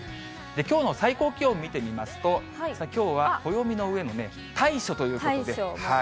きょうの最高気温見てみますと、きょうは暦のうえでは大暑ということで。